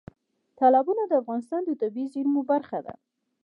تالابونه د افغانستان د طبیعي زیرمو برخه ده.